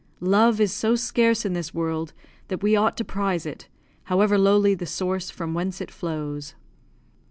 Love is so scarce in this world that we ought to prize it, however lowly the source from whence it flows.